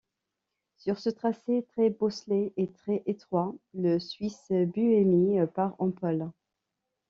Sur ce tracé très bosselé et très étroit, le suisse Buemi part en pôle.